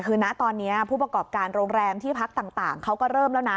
คือนะตอนนี้ผู้ประกอบการโรงแรมที่พักต่างเขาก็เริ่มแล้วนะ